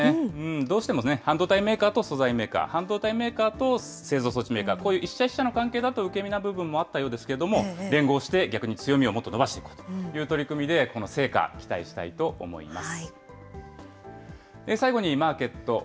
どうしても半導体メーカーと素材メーカー、半導体メーカーと製造装置メーカー、こういう一社一社の関係だと、受け身な部分もあったようですけれども、連合して逆に強みをもっと伸ばしていくという取り組みでこの成果、期待したいと思います。